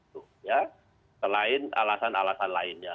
dan itu bisa menjadi alasan penghapus pidana